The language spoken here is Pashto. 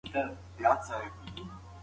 مدنیت د انسانانو په افکارو کې بساطت ختموي.